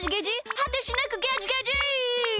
はてしなくゲジゲジ！